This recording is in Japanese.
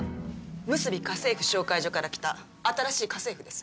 むすび家政婦紹介所から来た新しい家政婦です。